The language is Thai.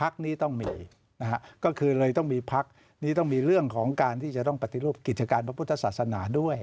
นี้ต้องมีนะฮะก็คือเลยต้องมีพักนี้ต้องมีเรื่องของการที่จะต้องปฏิรูปกิจการพระพุทธศาสนาด้วย